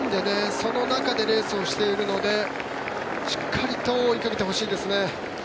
その中でレースをしているのでしっかりと追いかけてほしいですね。